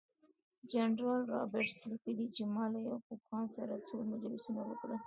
جنرال رابرټس لیکي چې ما له یعقوب خان سره څو مجلسونه وکړل.